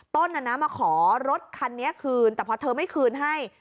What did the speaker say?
มาขอรถคันนี้คืนแต่พอเธอไม่คืนให้